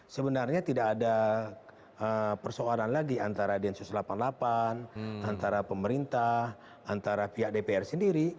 sebenarnya tidak ada persoalan lagi antara densus delapan puluh delapan antara pemerintah antara pihak dpr sendiri